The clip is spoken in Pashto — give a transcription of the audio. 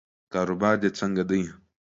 کاروبار دې څنګه دی؟